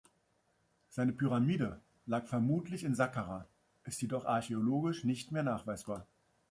Seine Pyramide lag vermutlich in Sakkara, ist jedoch archäologisch nicht mehr nachweisbar.